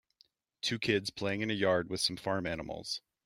Two kids playing in a yard with some farm animals.